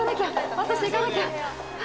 私行かなきゃ！